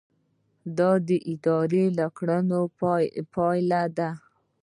دا د ادارې د کړنو پایله ده.